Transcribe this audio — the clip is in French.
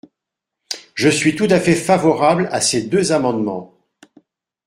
Je suis tout à fait favorable à ces deux amendements.